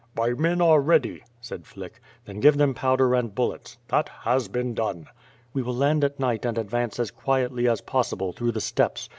"My men are ready," said Flick. ^Then give them powder and bullets." "That has been done.'' "We will land at night and advance as quietly as possible through the steppes.